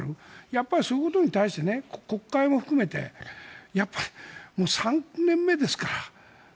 やっぱりそういうことに対して国会も含めてやっぱり３年目ですから。